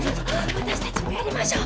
私たちもやりましょう。